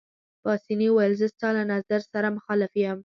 پاسیني وویل: زه ستا له نظر سره مخالف یم.